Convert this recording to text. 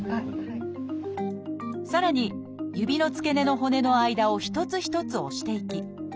さらに指の付け根の骨の間を一つ一つ押していき